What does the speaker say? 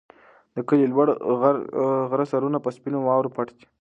د کلي د لوړ غره سرونه په سپینو واورو پټ دي.